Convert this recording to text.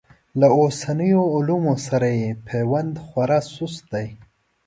له اوسنیو علومو سره یې پیوند خورا سست دی.